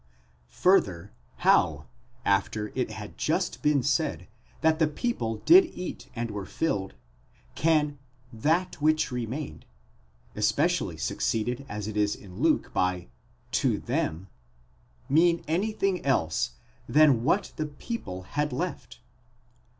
Further, how, after it had just been said that the people did eat and were filled, can τὸ περισσεῦ σαν, that which remained, especially succeeded as it is in Luke by αὐτοῖς, 2 them, mean. anything else than what the people had left?